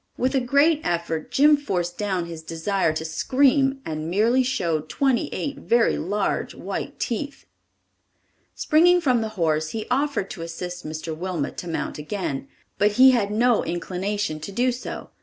With a great effort Jim forced down his desire to scream and merely showed twenty eight very large, white teeth. Springing from the horse he offered to assist Mr. Wilmot to mount again, but he had no inclination to do so.